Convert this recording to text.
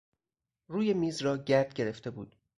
روی میز را گرد گرفته بود.